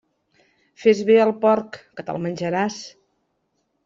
Fes bé al porc, que te'l menjaràs.